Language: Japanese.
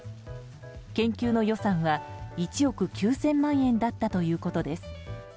研究の予算は１億９０００万円だったということです。